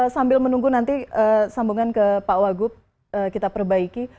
sambil menunggu nanti sambungan ke pak wagub kita perbaiki